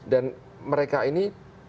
dan mereka ini